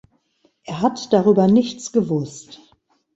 Er hat darüber nichts gewusst.